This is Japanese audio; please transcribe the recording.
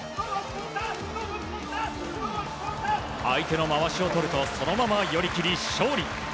相手のまわしを取るとそのまま寄り切り勝利。